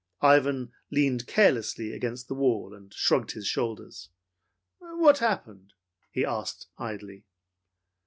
Ivan leaned carelessly against the wall and shrugged his shoulders. "What happened?" he asked, idly.